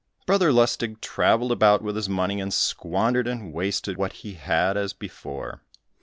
Brother Lustig travelled about with his money, and squandered and wasted what he had as before.